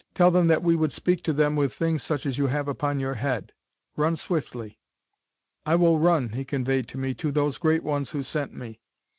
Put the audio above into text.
Tell them that we would speak to them with things such as you have upon your head. Run swiftly!" "I will run," he conveyed to me, "to those great ones who sent me."